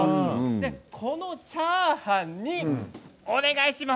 このチャーハンにお願いします。